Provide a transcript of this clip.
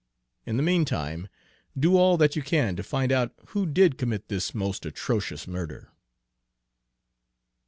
In the meantime, do all that you can to find out who did commit this most atrocious murder."